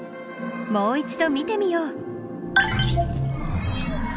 もう一度見てみよう。